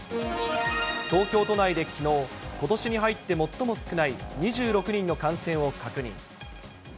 東京都内できのう、ことしに入って最も少ない２６人の感染を確認。